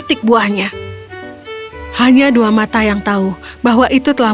ibu dan kedua putrinya berkata